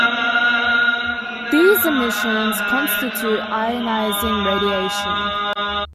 These emissions constitute ionizing radiation.